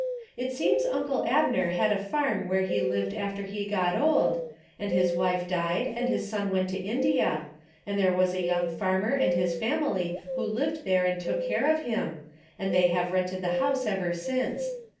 It seems uncle Abner had a farm where he lived after he got old, and his wife died and his son went to India, and there Avas a young farmer and his family who lived there and took care of him, and they have rented the house ever since.